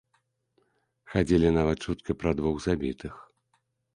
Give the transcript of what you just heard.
Хадзілі нават чуткі пра двух забітых.